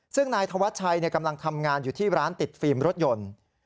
ซึ่งนายธวัชชัยกำลังทำงานอยู่ที่ร้านติดฟิล์มรถยนต์